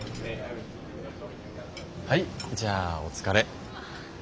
はいじゃあお疲れ。